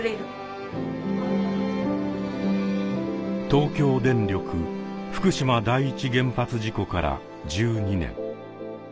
東京電力福島第一原発事故から１２年。